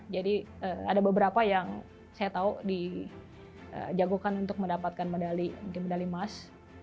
jadi ada beberapa yang saya tahu dijagokan untuk mendapatkan medali mungkin medali emas